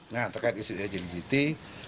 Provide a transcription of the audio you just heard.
nah terkait isi isi disiti